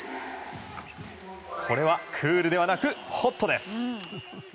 これはクールではなくホットです。